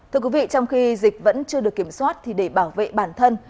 thưa quý vị trong khi dịch vẫn chưa được kiểm soát thì để bảo vệ bản thân